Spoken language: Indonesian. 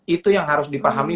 itu yang harus dipahami